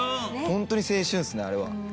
ホント青春ですねあれは。